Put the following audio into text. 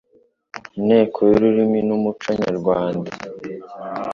Inteko y'Ururimi n'Umuco nyarwanda